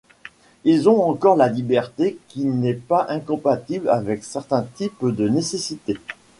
Ils ont encore la liberté, qui n'est pas incompatible avec certains types de nécessité.